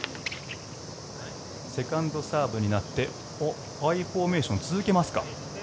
セカンドサーブになってアイフォーメーションを続けますか。